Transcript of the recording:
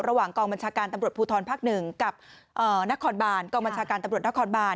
กองบัญชาการตำรวจภูทรภักดิ์๑กับนครบานกองบัญชาการตำรวจนครบาน